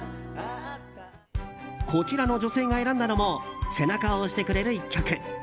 こちらの女性が選んだのも背中を押してくれる１曲。